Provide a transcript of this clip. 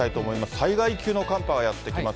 災害級の寒波がやって来ます。